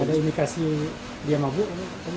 ada indikasi dia mabuk